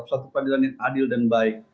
suatu peradilan yang adil dan baik